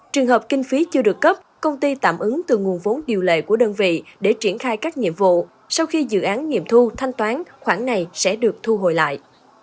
trường hợp kinh phí chưa được cấp công ty tạm ứng từ nguồn vốn điều lệ của đơn vị để triển khai các nhiệm vụ sau khi dự án nghiệm thu thanh toán khoản này sẽ được thu hồi lại